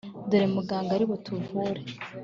Dore Muganga ari butuvure